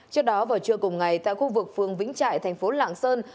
trước đó vào trưa cùng ngày tại khu vực phường vĩnh trại tp lạng sơn